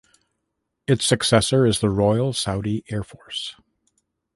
Its successor is the Royal Saudi Air Force.